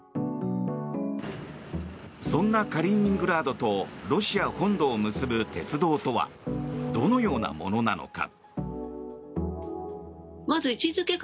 そんなカリーニングラードとロシア本土を結ぶ鉄道とはどのようなものなのか。